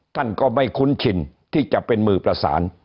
ท่านก็ไม่คุ้นชินที่จะเป็นมือประสาน